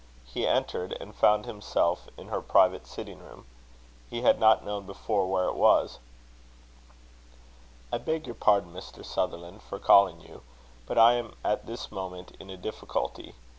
He entered, and found himself in her private sitting room. He had not known before where it was. "I beg your pardon, Mr. Sutherland, for calling you, but I am at this moment in a difficulty.